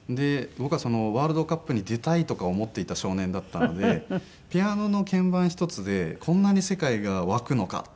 僕はワールドカップに出たいとか思っていた少年だったのでピアノの鍵盤一つでこんなに世界が沸くのか。